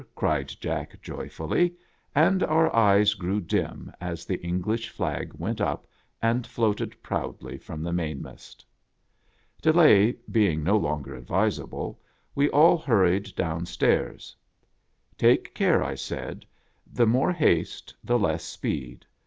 cried Jack, joyfully; and our eyes grew dim as the English flag went up and floated proudly from the mainmast. Delay being no longer advisable, we all hurried down stairs. "Take care," I said. "The more haste, the less speed.